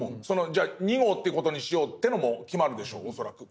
じゃあ２号っていう事にしようってのも決まるでしょ恐らく。